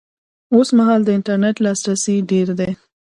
اوس مهال د انټرنېټ لاسرسی ډېر دی